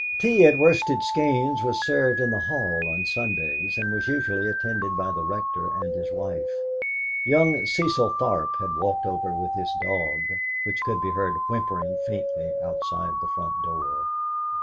Tea at Worsted Skeynes was served in the hall on Sundays, and was usually attended by the Rector and his wife. Young Cecil Tharp had walked over with his dog, which could be heard whimpering faintly outside the front door.